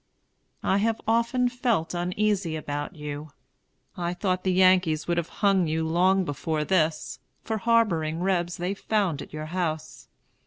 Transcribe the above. I have often felt uneasy about you. I thought the Yankees would have hung you long before this, for harboring Rebs they found at your house.